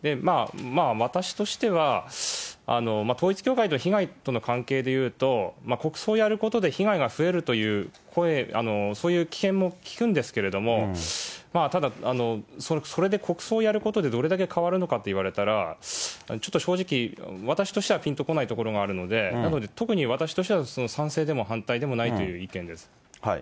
私としては、統一教会と被害との関係でいうと、国葬をやることで被害が増えるという声、そういう危険も聞くんですけれども、ただ、それで国葬をやることでどれだけ変わるのかと言われたら、ちょっと正直、私としてはぴんとこないところがあるので、なので、特に私としては賛成でも反対でもないという意見ですね。